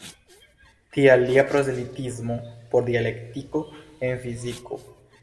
Tial lia prozelitismo por dialektiko en fiziko.